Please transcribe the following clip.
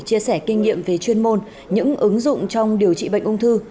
chia sẻ kinh nghiệm về chuyên môn những ứng dụng trong điều trị bệnh ung thư